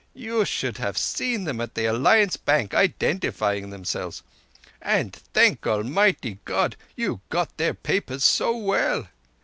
You should have seen them at the Alliance Bank identifying themselves! And thank Almighty God you got their papers so well!